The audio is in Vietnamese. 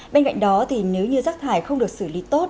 bên cạnh đó thì nếu như rác thải không được xử lý tốt